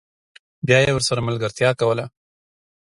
بیا یې ورسره ملګرتیا کوله